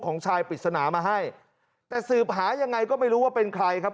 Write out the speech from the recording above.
ชายปริศนามาให้แต่สืบหายังไงก็ไม่รู้ว่าเป็นใครครับ